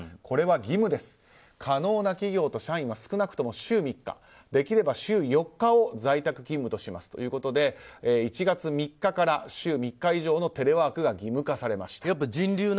これは義務です可能な企業と社員は少なくとも週３日できれば週４日を在宅勤務にしますということで１月３日から週３日以上のテレワークが義務化されました。